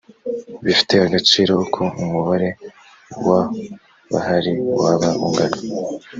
bifite agaciro uko umubare w abahari waba ungana